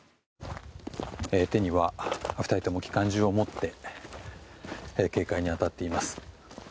手には２人とも機関銃を持って警戒に当たっています。